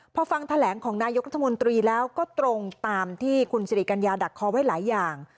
พอฟังแถลงของนายกรัฐมนตรีแล้วก็ตรงตามที่คุณสิริกัญญาดักคอไว้หลายอย่าง